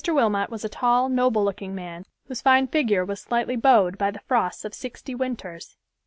Wilmot was a tall, noble looking man, whose fine figure was slightly bowed by the frosts of sixty winters.